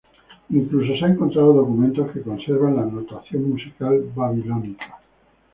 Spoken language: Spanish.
Incluso se ha encontrado documentos que conservan la notación musical babilónica.